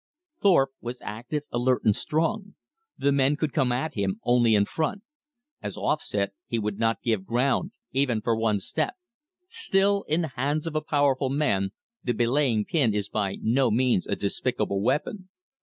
Thorpe was active, alert, and strong. The men could come at him only in front. As offset, he could not give ground, even for one step. Still, in the hands of a powerful man, the belaying pin is by no means a despicable weapon.